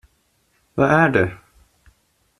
Vad är det?